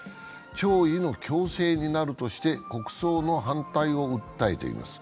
弔意の強制になるとして国葬の反対を訴えています。